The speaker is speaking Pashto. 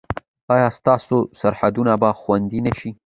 ایا ستاسو سرحدونه به خوندي نه شي؟